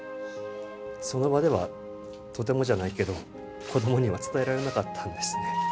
その場では、とてもじゃないけど、子どもには伝えられなかったんですね。